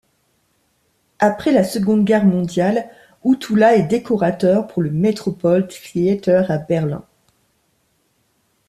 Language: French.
Après la Seconde Guerre mondiale, Huttula est décorateur pour le Metropol-Theater à Berlin.